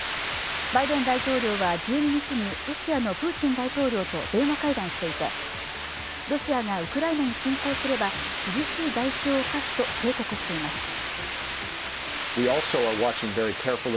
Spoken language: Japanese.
バイデン大統領は１２日にロシアのプーチン大統領と電話会談していて、ロシアがウクライナに侵攻すれば厳しい代償を科すを警告しています。